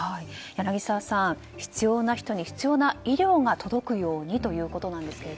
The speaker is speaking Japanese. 柳澤さん、必要な人に必要な医療が届くようにということですが。